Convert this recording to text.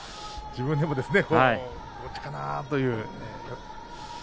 自分でもどっちかなあという。